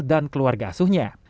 dan keluarga asuhnya